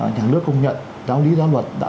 nhà nước công nhận giáo lý giáo luật đã